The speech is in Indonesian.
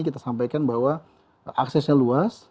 kita sampaikan bahwa aksesnya luas